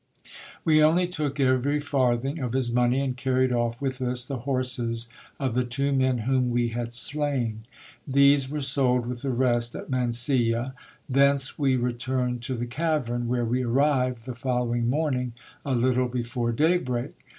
We only took every farthing of his money, and carried off with us the horses of the two men whom we had slain. These we sold with the rest at Mansilla. Thence we returned to the cavern, where we arrived the following morning a little before daybreak.